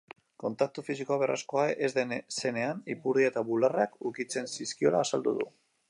Kontaktu fisikoa beharrezkoa ez zenean, ipurdia eta bularrak ukitzen zizkiola azaldu du.